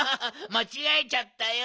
まちがえちゃったよ。